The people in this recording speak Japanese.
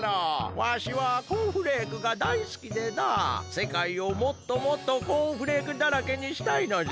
わしはコーンフレークがだいすきでなせかいをもっともっとコーンフレークだらけにしたいのじゃ。